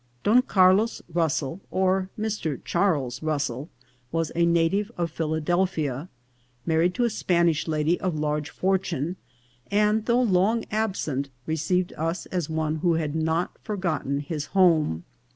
Don Carlos Russell, or Mr. Charles Russell, was a native of Philadelphia, married to a Spanish lady of large fortune, and, though long absent, received us as one who had not forgotten his home.